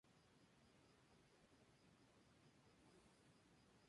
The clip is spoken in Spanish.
Cuando Mr.